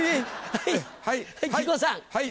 はい木久扇さん。